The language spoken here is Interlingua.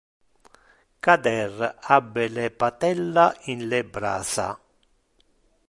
Cader ab le patella in le brasa.